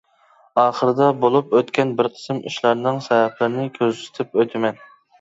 ئاخىرىدا بولۇپ ئۆتكەن بىر قىسىم ئىشلارنىڭ سەۋەبلىرىنى كۆرسىتىپ ئۆتىمەن.